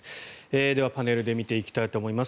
では、パネルで見ていきたいと思います。